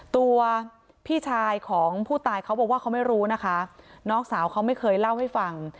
ตัวพี่ชายของผู้ตายเขาบอกว่าเขาไม่รู้นะคะน้องสาวเขาไม่เคยเล่าให้ฟัง